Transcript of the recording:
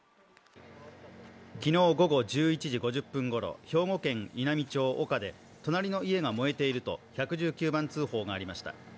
昨日午後１１時５０分ごろ、兵庫県稲美町岡で隣の家が燃えていると１１９番通報がありました。